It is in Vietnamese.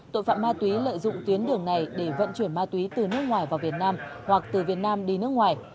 tội phạm ma túy lợi dụng tuyến đường này để vận chuyển ma túy từ nước ngoài vào việt nam hoặc từ việt nam đi nước ngoài